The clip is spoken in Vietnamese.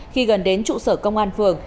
khi gần đến trụ sở công an phường